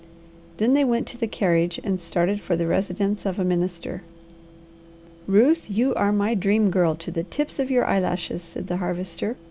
Then they went to the carriage and started for the residence of a minister. "Ruth, you are my Dream Girl to the tips of your eyelashes," said the Harvester.